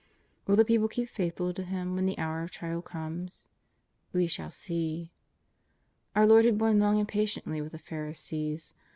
Will the people keep faithful to Him when the hour of trial comes ? We shall see. Our Lord had borne long and patiently with the Pharisees.